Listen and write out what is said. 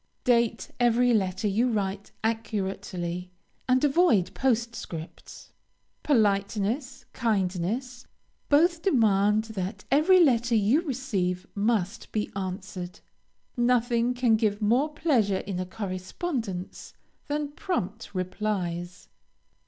Date every letter you write accurately, and avoid postscripts. Politeness, kindness, both demand that every letter you receive must be answered. Nothing can give more pleasure in a correspondence, than prompt replies.